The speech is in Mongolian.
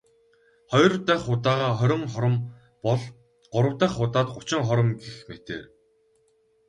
Хоёр дахь удаагаа хорин хором бол.. Гурав дахь удаад гучин хором гэх мэтээр.